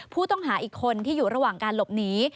ผู้ต้องหาอีกคนที่อยู่ระหว่างการหลบหนี